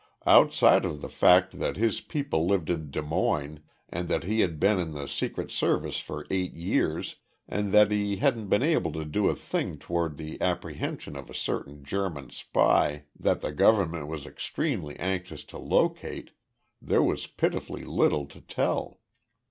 Outside of the fact that his people lived in Des Moines, that he had been in the Secret Service for eight years, and that he hadn't been able to do a thing toward the apprehension of a certain German spy that the government was extremely anxious to locate, there was pitifully little to tell.